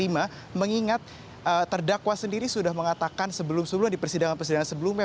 mengingat terdakwa sendiri sudah mengatakan sebelum sebelumnya di persidangan persidangan sebelumnya